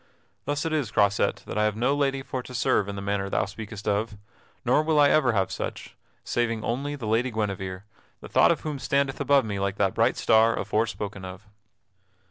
Thus it is, Croisette, that I have no lady for to serve in the manner thou speakest of. Nor will I ever have such, saving only the Lady Guinevere, the thought of whom standeth above me like that bright star afore spoken of."